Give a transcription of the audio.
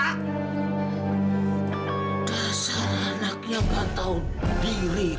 tak salah anaknya pantau diri kamu ini nenek